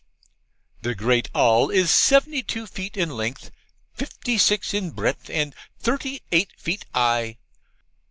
'The great all is seventy two feet in lenth, fifty six in breath, and thirty eight feet 'igh.